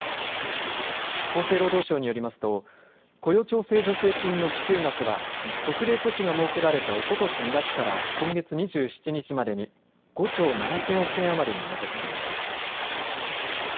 厚生労働省によりますと雇用調整助成金の支給額は特例措置が設けられたおととし２月から今月２７日までに５兆７０００億円余りに上っています。